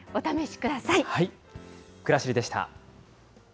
くらしりでした。